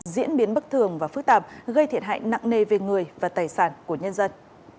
diễn biến bất thường và phức tạp gây thiệt hại nặng nề về người và tài sản của nhân dân